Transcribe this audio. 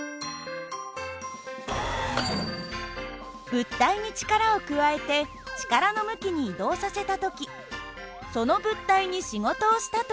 物体に力を加えて力の向きに移動させた時その物体に仕事をしたといいます。